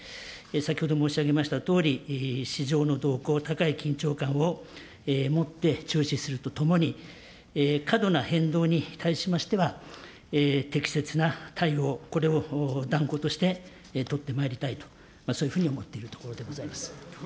先ほど申し上げましたとおり、市場の動向、高い緊張感を持って注視するとともに、過度な変動に対しましては、適切な対応、これを断固として取ってまいりたいと、そういうふうに思っているところでございます。